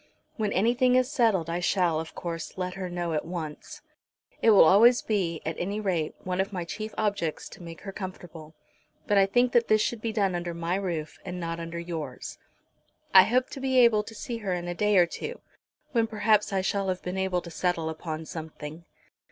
When anything is settled I shall, of course, let her know at once. It will always be, at any rate, one of my chief objects to make her comfortable, but I think that this should be done under my roof and not under yours. I hope to be able to see her in a day or two, when perhaps I shall have been able to settle upon something.